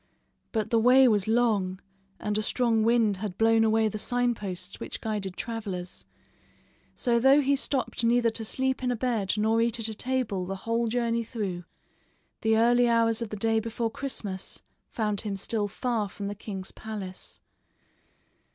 But the way was long and a strong wind had blown away the sign posts which guided travelers, so, though he stopped neither to sleep in a bed or eat at a table the whole journey through, the early hours of the day before Christmas found him still far from the king's palace.